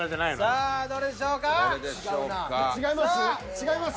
違います？